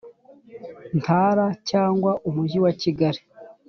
Ntara cyangwa Umujyi wa Kigali